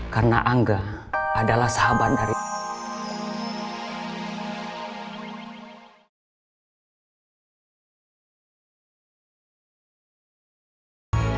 karena angga yang sudah nyuruh anak buahnya